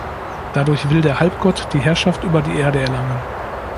Dadurch will der Halbgott die Herrschaft über die Erde erlangen.